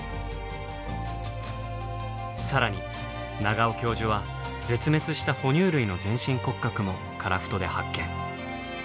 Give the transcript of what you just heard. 更に長尾教授は絶滅した哺乳類の全身骨格も樺太で発見。